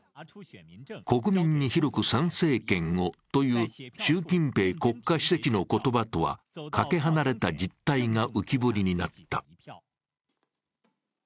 国民に広く参政権を、という習近平国家主席の言葉とはかけ離れた実態が浮き彫りになった。